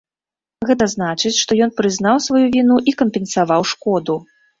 Гэта значыць, што ён прызнаў сваю віну і кампенсаваў шкоду.